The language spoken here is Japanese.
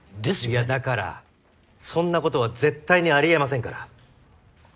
いやだからそんなことは絶対にありえませんから。